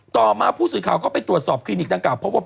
ต่อมาผู้สื่อข่าวก็ไปตรวจสอบคลินิกดังกล่าพบว่า